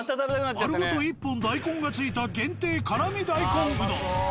丸ごと１本大根が付いた限定辛味大根うどん。